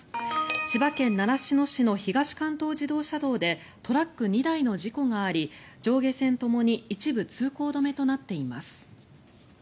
千葉県習志野市の東関東自動車道でトラック２台の事故があり上下線ともに一部通行止めとなっています。